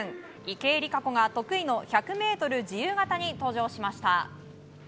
池江璃花子が得意の１００ｍ自由形に登場しました。